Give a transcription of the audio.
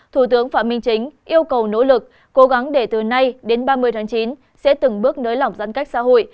thủ tướng phạm minh chính yêu cầu nỗ lực cố gắng để từ nay đến ba mươi tháng chín sẽ từng bước nới lỏng giãn cách xã hội